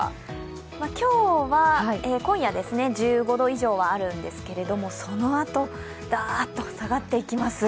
今日は今夜１５度以上はあるんですけれども、そのあと、ダーッと下がっていきます。